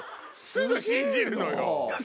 すぐ信じるのよ。